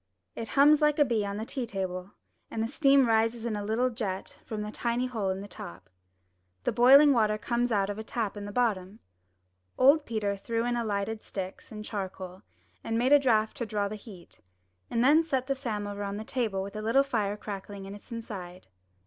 It hums like a bee on the tea table, and the steam rises in a little jet from a tiny hole in the top. The boiling water comes out of a tap at the bottom. Old Peter threw in the lighted sticks and charcoal, and made a draught to draw the heat, and then set the samovar on the table with the little fire crackling in its inside.